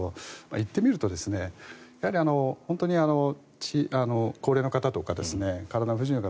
行ってみるとやはり本当に高齢の方とか体の不自由な方